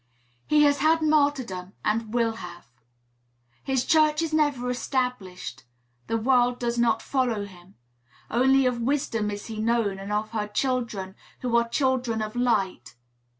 He has had martyrdom, and will have. His church is never established; the world does not follow him; only of Wisdom is he known, and of her children, who are children of light.